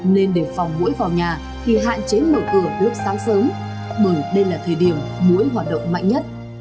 nên để phòng mũi vào nhà thì hạn chế mở cửa lúc sáng sớm bởi đây là thời điểm mũi hoạt động mạnh nhất